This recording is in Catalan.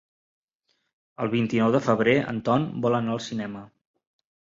El vint-i-nou de febrer en Ton vol anar al cinema.